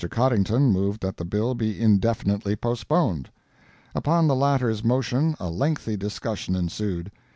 Coddington moved that the bill be indefinitely postponed. Upon the latter's motion a lengthy discussion ensued.